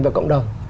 và cộng đồng